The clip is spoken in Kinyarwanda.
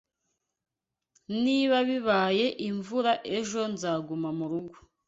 Niba bibaye imvura ejo nzaguma murugo.